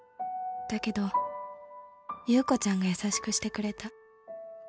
「だけど侑子ちゃんが優しくしてくれた」